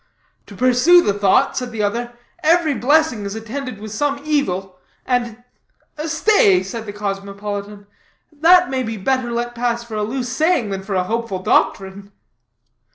"To pursue the thought," said the other, "every blessing is attended with some evil, and " "Stay," said the cosmopolitan, "that may be better let pass for a loose saying, than for hopeful doctrine."